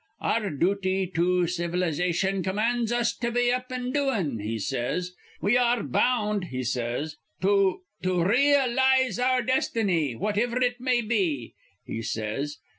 '] 'Our duty to civilization commands us to be up an' doin',' he says. 'We ar re bound,' he says, 'to to re elize our destiny, whativer it may be,' he says.